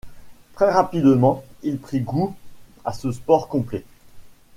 Très rapidement, il prit goût à ce sport complet.